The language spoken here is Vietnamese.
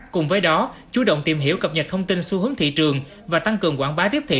cùng với đó chú động tìm hiểu cập nhật thông tin xu hướng thị trường và tăng cường quảng bá tiếp thị